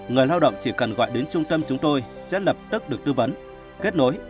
người lao động chỉ cần gọi đến trung tâm chúng tôi sẽ lập tức được tư vấn kết nối